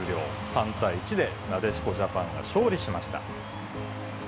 ３対１でなでしこジャパンが勝利しました。